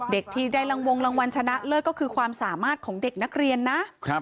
เด็กที่ได้รังวงรางวัลชนะเลิศก็คือความสามารถของเด็กนักเรียนนะ